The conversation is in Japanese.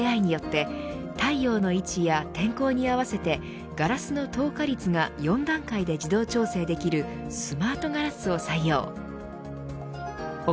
屋上に設置したセンサーとＡＩによって太陽の位置や天候に合わせてガラスの透過率が４段階で自動調整できるスマートガラスを採用。